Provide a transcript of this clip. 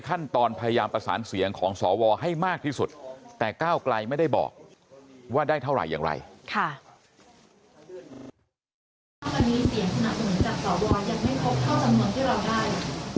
วันนี้เสียงขนาดหนึ่งจากสอบรอยยังไม่ครบเข้าสำนวนที่เราได้